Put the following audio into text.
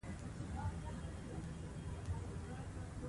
تاسو پوهېږئ چې خج څه مانا لري؟